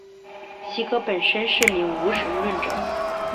席格本身是名无神论者。